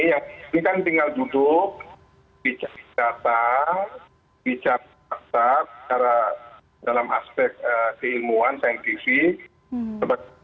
ini kan tinggal duduk bicara data bicara fakta bicara dalam aspek keilmuan saintifik